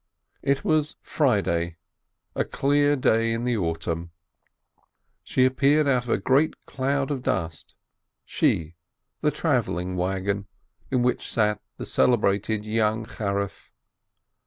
It was Friday, a clear day in the autumn. She appeared out of a great cloud of dust — she, the travel ling wagon in which sat the celebrated young Charif.